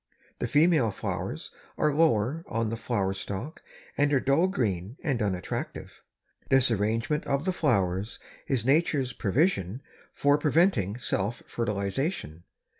The female flowers are lower on the flower stalk and are dull green and unattractive. This arrangement of the flowers is nature's provision for preventing self fertilization.